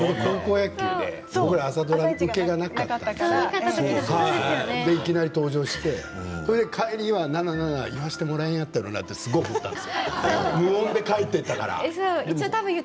高校野球で僕ら朝ドラ受けがなかったからそれでいきなり登場して帰りは、なななな言わせてもらえなかったんだろうなって思ったんです